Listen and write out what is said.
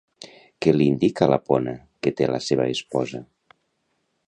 Què li indica la Pona que té la seva esposa?